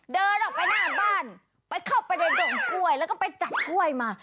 เดินออกไปหน้าบ้านไปเข้าไปในดงกล้วยแล้วก็ไปจับกล้วยมา